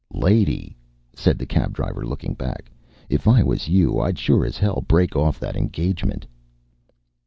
"Lady," said the cab driver, looking back, "if I was you, I'd sure as hell break off that engagement."